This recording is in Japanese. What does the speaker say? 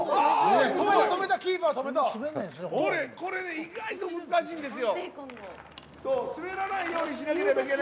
意外と難しいんですよ。